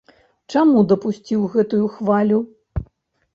Чаму дапусціў гэтаю хвалю?